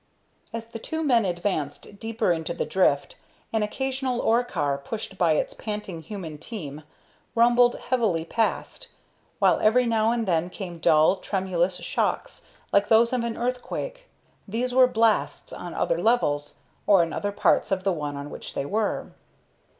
As the two men advanced deeper into the drift, an occasional ore car, pushed by its panting human team, rumbled heavily past, while every now and then came dull, tremulous shocks like those of an earthquake. These were blasts on other levels, or in other parts of the one on which they were.